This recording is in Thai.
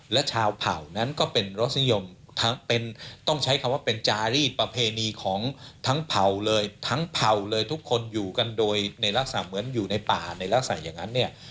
และชาวเผ่านั้นก็เป็นรสนิยมทั้งเป็นต้องใช้คำว่าเป็นจารีสประเพณีของทั้งเผ่าเลยทั้งเผ่าเลยทุกคนอยู่กันโดยในลักษณะเหมือนอยู่ในป่าในลักษณะอย่างนั้นเนี่ย